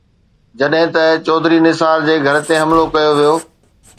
جڏهن ته چوڌري نثار جي گهر تي حملو ڪيو ويو.